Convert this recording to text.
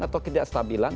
atau kejahatan stabilan